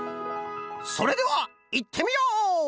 それではいってみよう！